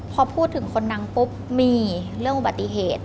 พอพูดถึงคนดังปุ๊บมีเรื่องอุบัติเหตุ